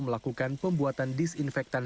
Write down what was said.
melakukan pembuatan disinfektan